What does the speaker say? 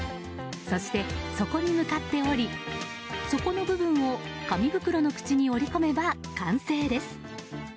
そして底に向かって折り底の部分を紙袋の口に折り込めば完成です。